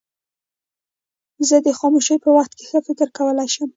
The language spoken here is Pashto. زه د خاموشۍ په وخت کې ښه فکر کولای شم.